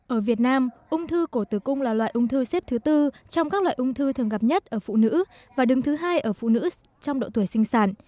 ở việt nam ung thư cổ tử cung là loại ung thư xếp thứ tư trong các loại ung thư thường gặp nhất ở phụ nữ và đứng thứ hai ở phụ nữ trong độ tuổi sinh sản